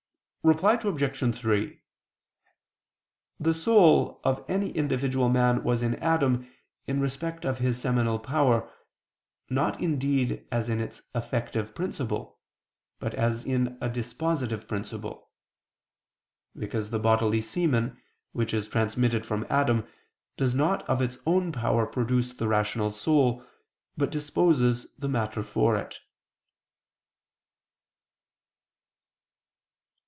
Reply Obj. 3: The soul of any individual man was in Adam, in respect of his seminal power, not indeed as in its effective principle, but as in a dispositive principle: because the bodily semen, which is transmitted from Adam, does not of its own power produce the rational soul, but disposes the matter for it.